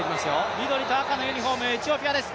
緑と赤のユニフォーム、エチオピアです。